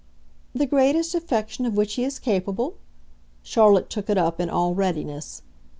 "The greatest affection of which he is capable?" Charlotte took it up in all readiness.